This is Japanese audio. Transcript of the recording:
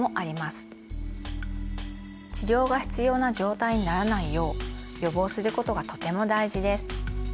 治療が必要な状態にならないよう予防することがとても大事です。